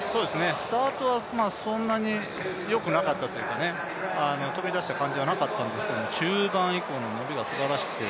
スタートはそんなによくなかったというか、飛び出した感じはなかったんですけど、中盤の伸びがよくて